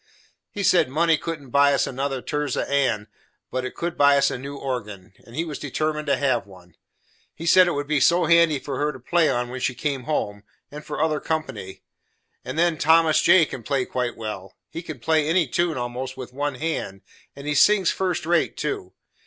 He said money couldn't buy us another Tirzah Ann, but it would buy us a new organ, and he was determined to have one. He said it would be so handy for her to play on when she came home, and for other company. And then Thomas J. can play quite well; he can play any tune, almost, with one hand, and he sings first rate, too.